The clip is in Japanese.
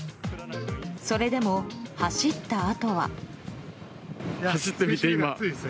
それでも走ったあとは。